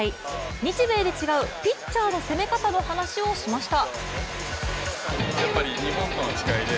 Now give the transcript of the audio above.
日米で違うピッチャーの攻め方の話をしました。